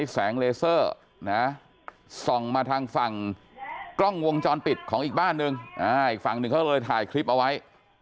แสงเลเซอร์นะส่องมาทางฝั่งกล้องวงจรปิดของอีกบ้านนึงอีกฝั่งหนึ่งเขาเลยถ่ายคลิปเอาไว้